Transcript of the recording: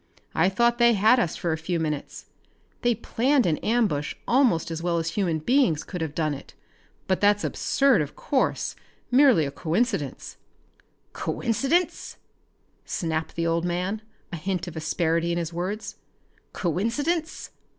I thought they had us for a few minutes. They planned an ambush almost as well as human beings could have done it but that's absurd of course, merely a coincidence." "Coincidence?" snapped the old man, a hint of asperity in his words. "Coincidence?